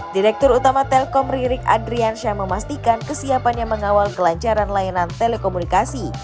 direktur utama telkom ririk adriansyah memastikan kesiapannya mengawal kelancaran layanan telekomunikasi